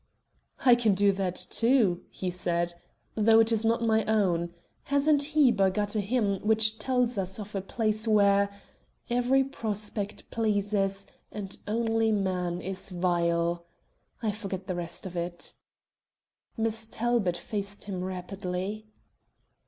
"I can do that, too," he said, "though it is not my own. Hasn't Heber got a hymn which tells us of a place where Every prospect pleases, And only man is vile. I forget the rest of it." Miss Talbot faced him rapidly.